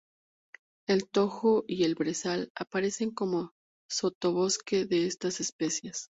El tojo y el brezal aparecen como sotobosque de estas especies.